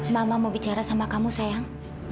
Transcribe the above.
mama mau bicara sama kamu sayang